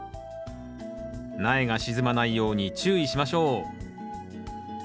苗が沈まないように注意しましょう。